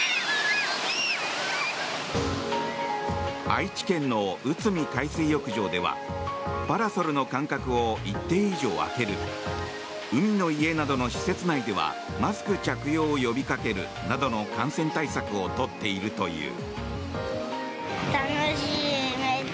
愛知県の内海海水浴場ではパラソルの間隔を一定以上空ける海の家などの施設内ではマスク着用を呼びかけるなどの感染対策を取っているという。